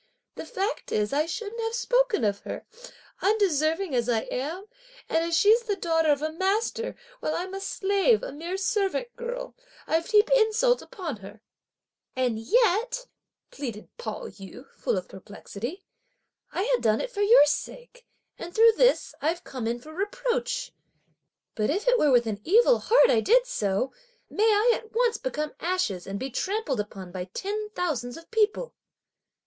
The fact is I shouldn't have spoken of her, undeserving as I am; and as she's the daughter of a master, while I'm a slave, a mere servant girl, I've heaped insult upon her!" "And yet," pleaded Pao yü, full of perplexity, "I had done it for your sake; and through this, I've come in for reproach. But if it were with an evil heart I did so, may I at once become ashes, and be trampled upon by ten thousands of people!"